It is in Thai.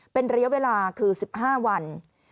เป็นระยะเวลาคือ๑๕วัน